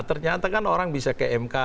ternyata kan orang bisa ke mk